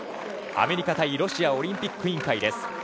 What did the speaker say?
アメリカ対ロシアオリンピック委員会です。